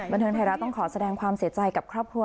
บันเทิงไทยรัฐต้องขอแสดงความเสียใจกับครอบครัว